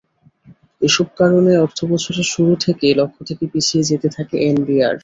এসব কারণে অর্থবছরের শুরু থেকেই লক্ষ্য থেকে পিছিয়ে যেতে থাকে এনবিআর।